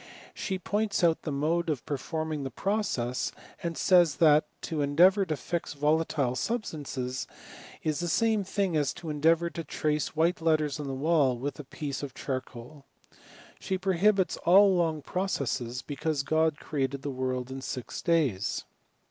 She points out the mode of perform ing the processes ; and says that to endeavour to fix volatile substances, is the same thing as to endeavour to trace white letters on a wall with a piece of char * coal. She prohibits all long processes, because God created the world in six days.